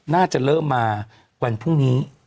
น่าจะเริ่มมาวันพรุ่งนี้